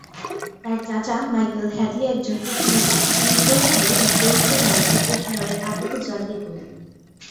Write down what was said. তার চাচা Michael Hadlee একজন অভিনেতা, যিনি শৈশবে জোন্সের মধ্যে অভিনয়ের আগ্রহ জাগিয়ে তোলেন।